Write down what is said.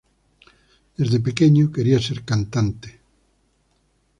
Desde pequeño quería ser cantante.